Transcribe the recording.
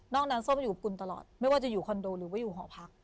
นั้นส้มอยู่กับคุณตลอดไม่ว่าจะอยู่คอนโดหรือว่าอยู่หอพัก